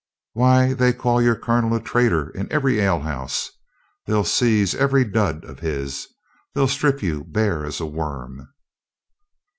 "Why, they call your colonel a traitor in every alehouse. They'll seize every dud of his. They'll strip you bare as a worm."